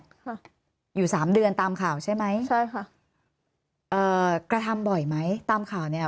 ค่ะอยู่สามเดือนตามข่าวใช่ไหมใช่ค่ะเอ่อกระทำบ่อยไหมตามข่าวเนี้ย